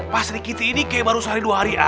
pasri kitty ini kayak baru sehari dua hari